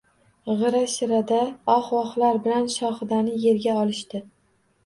G‘ira-shirada oh-vohlar bilan Shohidani yerga olishdi